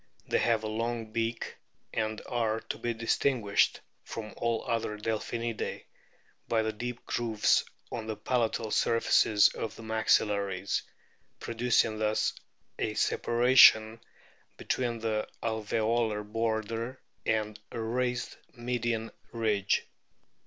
They have a long beak, and are to be distinguished from all other Delphinidae by the deep grooves on the palatal surface of the maxillaries, producing thus a separation between the alveolar border and a raised median ridge.